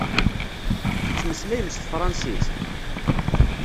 Tettmeslayem s tefransist?